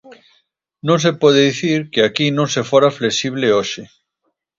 Non se pode dicir que aquí non se fora flexible hoxe.